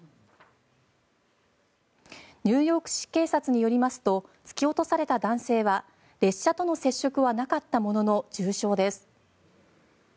ニューヨーク市警察によりますと突き落とされた男性は列車との接触はなかったものの重傷です。